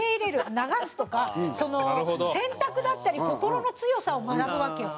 流すとかその選択だったり心の強さを学ぶわけよ。